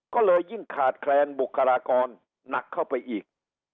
ก็เลยยิ่งขาดแคลนบุคลากรหนักเข้าไปอีก